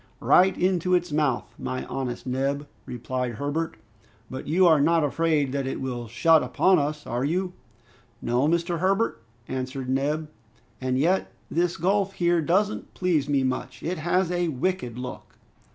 "Right into its mouth, my honest Neb!" replied Herbert, "but you are not afraid that it will shut upon us, are you?" "No, Mr. Herbert," answered Neb, "and yet this gulf here doesn't please me much! It has a wicked look!"